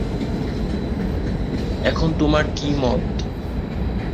এখন তোমার কী মত।